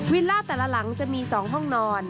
ล่าแต่ละหลังจะมี๒ห้องนอน